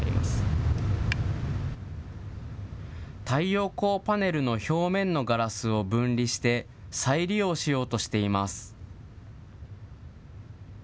太陽光パネルの表面のガラスを分離して再利用しようとしています。